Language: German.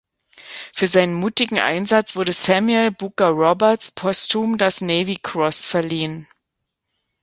Für seinen mutigen Einsatz wurde Samuel Booker Roberts postum das Navy Cross verliehen.